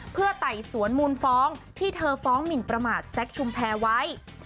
เพื่อไต่สวนมูลฟ้องที่เธอฟ้องหมินประมาทแซคชุมแพรไว้